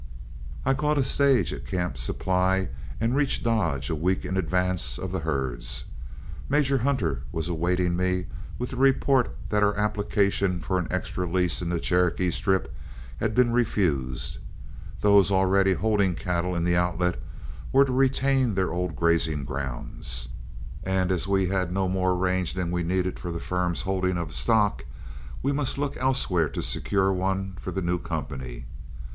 I caught a stage at Camp Supply and reached Dodge a week in advance of the herds. Major Hunter was awaiting me with the report that our application for an extra lease in the Cherokee Strip had been refused. Those already holding cattle in the Outlet were to retain their old grazing grounds, and as we had no more range than we needed for the firm's holding of stock, we must look elsewhere to secure one for the new company.